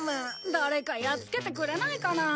誰かやっつけてくれないかな？